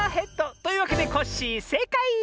というわけでコッシーせいかい！